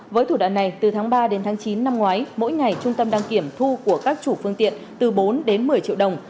với thủ đoạn này từ tháng ba đến tháng chín năm ngoái mỗi ngày trung tâm đăng kiểm thu của các chủ phương tiện từ bốn đến một mươi triệu đồng